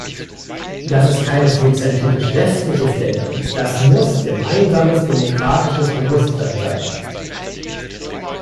Das ist keineswegs ein typisch westliches Denken, das muss gemeinsames demokratisches Bewusstsein sein.